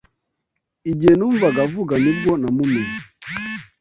Igihe numvaga avuga ni bwo namumenye.